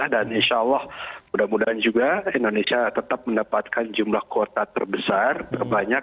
dan insya allah mudah mudahan juga indonesia tetap mendapatkan jumlah kuota terbesar terbanyak